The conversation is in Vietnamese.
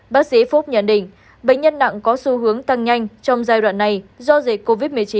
bác sĩ phúc nhận định bệnh nhân nặng có xu hướng tăng nhanh trong giai đoạn này do dịch covid một mươi chín